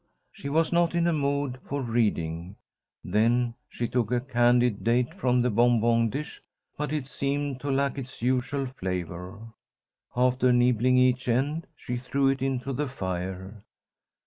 She was not in a mood for reading. Then she took a candied date from the bonbon dish, but it seemed to lack its usual flavour. After nibbling each end, she threw it into the fire.